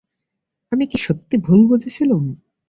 আমি কি সত্যি ভুল বুঝেছিলুম?